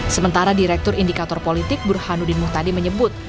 sementara direktur indikator politik burhanuddin muhtadi menyebut